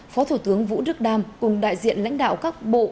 phó thủ tướng vũ đức đam cùng đại diện lãnh đạo các bộ